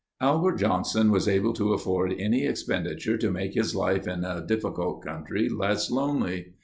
Albert Johnson was able to afford any expenditure to make his life in a difficult country less lonely.